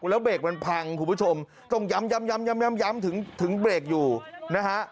แล้วเบรกมันพังคุณผู้ชมต้องย้ำถึงเบรกอยู่นะฮะ